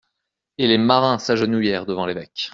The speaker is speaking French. Et les marins s'agenouillèrent devant l'évêque.